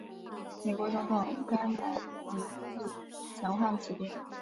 美国总统甘乃迪亦曾患此病。